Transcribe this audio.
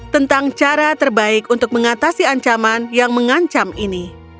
tentang cara terbaik untuk mengatasi ancaman yang mengancam ini